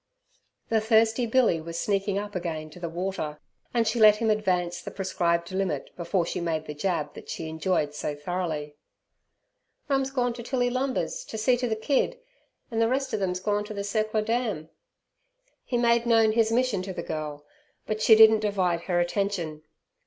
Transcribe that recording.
The thirsty billy was sneaking up again to the water, and she let him advance the prescribed limit before she made the jab that she enjoyed so thoroughly. "Mum's gorn ter Tilly Lumber's ter see t' ther kid, and ther rester them's gorn ter ther Circler Dam." He made known his mission to the girl, but she didn't divide her attention.